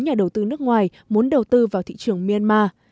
nhà đầu tư nước ngoài muốn đầu tư vào thị trường myanmar